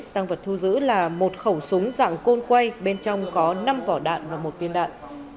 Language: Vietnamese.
tăng vật thu giữ là một khẩu súng dạng côn quay bên trong có năm vỏ đạn và một viên đạn